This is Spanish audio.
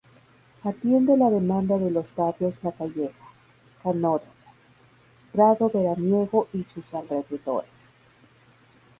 Atiende la demanda de los barrios La Calleja, Canódromo, Prado Veraniego y sus alrededores.